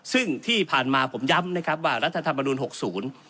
ซึ่งที่ผ่านมาผมย้ำนะครับว่ารัฐธรรมนุนหกศูนย์